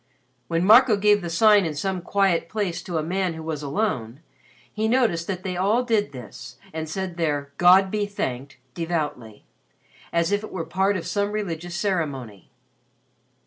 When Marco gave the Sign in some quiet place to a man who was alone, he noticed that they all did this and said their "God be thanked" devoutly, as if it were part of some religious ceremony.